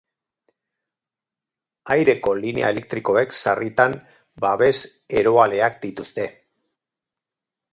Aireko linea elektrikoek sarritan babes-eroaleak dituzte.